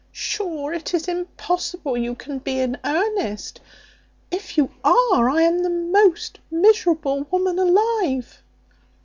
"Sure it is impossible you can be in earnest; if you are, I am the most miserable woman alive."